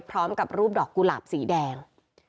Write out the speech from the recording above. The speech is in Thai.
พร้อมกับรูปดอกกุหลาบสีแดง